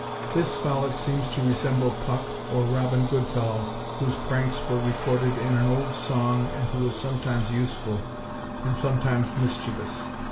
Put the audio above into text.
This Follet seems to resemble Puck, or Robin Goodfellow, whose pranks were recorded in an old song and who was sometimes useful, and sometimes mischievous.